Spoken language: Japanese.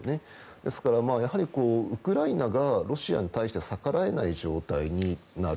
ですから、ウクライナがロシアに対して逆らえない状態になる。